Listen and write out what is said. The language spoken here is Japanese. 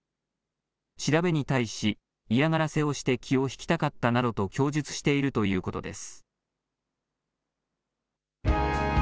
調べに対し、嫌がらせをして気を引きたかったなどと供述しているということです。